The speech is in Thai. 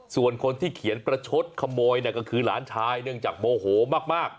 ส่วนคนที่เขียนประชดขโมยก็คือหลานชายเนื่องจากโมโหมาก